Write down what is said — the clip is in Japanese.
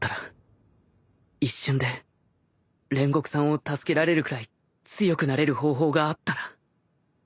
一瞬で煉獄さんを助けられるくらい強くなれる方法があったら。